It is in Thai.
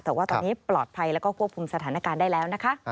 แต่ว่าตอนนี้ปลอดภัยแล้วก็ควบคุมสถานการณ์ได้แล้วนะคะ